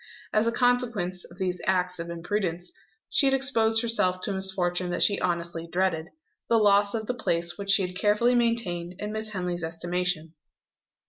As a consequence of these acts of imprudence, she had exposed herself to a misfortune that she honestly dreaded the loss of the place which she had carefully maintained in Miss Henley's estimation.